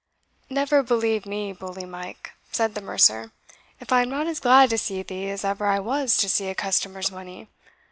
"Never believe me, bully Mike," said the mercer, "if I am not as glad to see thee as ever I was to see a customer's money!